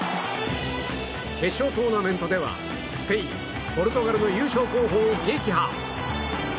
決勝トーナメントではスペイン、ポルトガルの優勝候補を撃破。